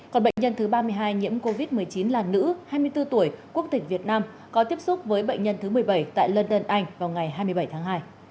còn bệnh nhân thứ ba mươi hai nhiễm covid một mươi chín là nữ hai mươi bốn tuổi quốc tịch việt nam có tiếp xúc với bệnh nhân thứ một mươi bảy tại london anh vào ngày hai mươi bảy tháng hai